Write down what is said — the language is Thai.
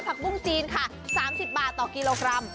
บุ้งจีนค่ะ๓๐บาทต่อกิโลกรัม